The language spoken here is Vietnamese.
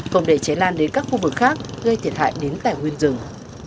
không để cháy lan đến các khu vực khác gây thiệt hại đến tẻ huyên rừng